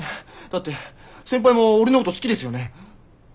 だって先輩も俺のこと好きですよね！？